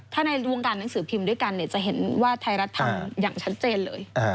ถ้าในวงการหนังสือพิมพ์ด้วยกันจะเห็นว่าไทยรัฐทำอย่างชัดเจนเลย